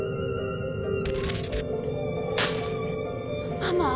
ママ？